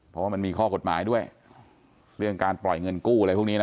เพราะว่ามันมีข้อกฎหมายด้วยเรื่องการปล่อยเงินกู้อะไรพวกนี้นะ